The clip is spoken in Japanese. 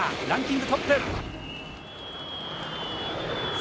ランキングトップ。